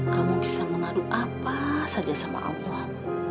kamu bisa mengadu apa saja sama allah